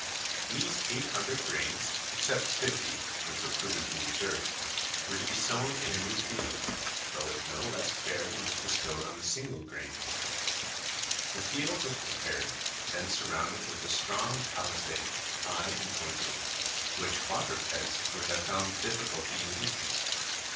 These eight hundred grains, except fifty, which were prudently reserved, were to be sown in a new field, but with no less care than was bestowed on the single grain. The field was prepared, then surrounded with a strong palisade, high and pointed, which quadrupeds would have found difficulty in leaping.